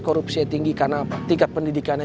korupsi tinggi karena tingkat pendidikannya